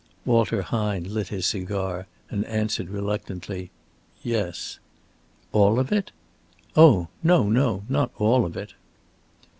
Walter Hine lit his cigar and answered reluctantly: "Yes." "All of it?" "Oh no, no, not all of it."